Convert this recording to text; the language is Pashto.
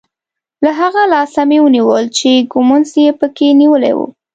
له هغه لاسه مې ونیول چې ږومنځ یې په کې نیولی وو.